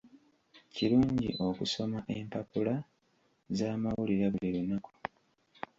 Kirungi okusoma empapula z'amawulire buli lunaku.